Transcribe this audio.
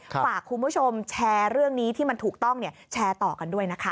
ฝากคุณผู้ชมแชร์เรื่องนี้ที่มันถูกต้องแชร์ต่อกันด้วยนะคะ